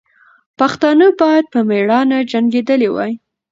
پښتانه باید په میړانه جنګېدلي وای.